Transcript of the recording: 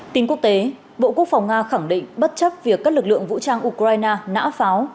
tin quốc tế bộ quốc phòng nga khẳng định bất chấp việc các lực lượng vũ trang ukraine nã pháo